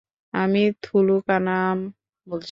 আমি থুলুকানাম বলছি।